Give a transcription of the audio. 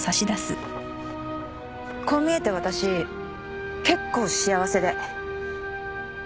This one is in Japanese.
こう見えて私結構幸せで。